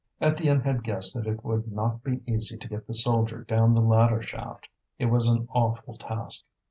Étienne had guessed that it would not be easy to get the soldier down the ladder shaft. It was an awful task.